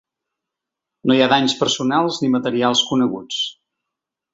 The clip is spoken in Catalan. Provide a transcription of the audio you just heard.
No hi ha danys personals ni materials coneguts.